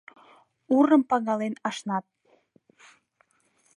Урым пагален ашнат.